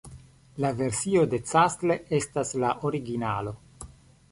La versio de Castle estas la originalo.